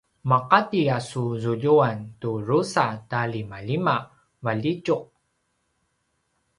maqati a su zuljuan tu drusa ta limalima valjitjuq